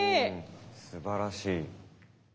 すばらしい。